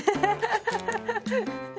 ハハハハ。